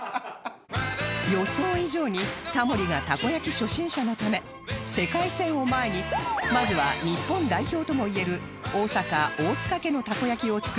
予想以上にタモリがたこ焼き初心者のため世界戦を前にまずは日本代表ともいえる大阪大塚家のたこ焼きを作ります